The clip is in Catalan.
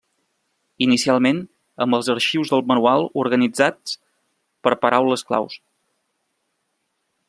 Inicialment, amb els arxius del manual organitzats per paraules claus.